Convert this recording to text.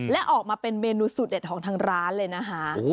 และออกมาเป็นเมนูสูตรเด็ดของทางร้านเลยนะคะ